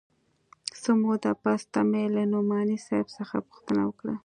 څه موده پس ته مې له نعماني صاحب څخه پوښتنه وکړه.